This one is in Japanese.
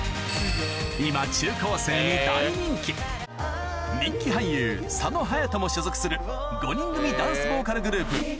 今中高生に大人気人気俳優佐野勇斗も所属する５人組ダンスボーカルグループＭ！